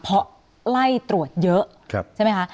เพราะไล่ตรวจเยอะใช่ไหมคะ